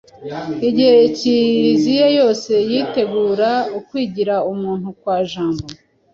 igihe Kiliziya yose yitegura ukwigira umuntu kwa Jambo,